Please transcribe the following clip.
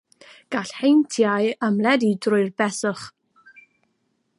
Gall heintiau ymledu drwy beswch.